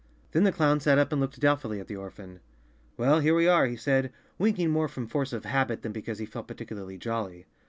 Then the clown sat up and looked doubtfully at the or¬ phan. "Well, here we are," he said, winking more from force of habit than because he felt particularly jolly.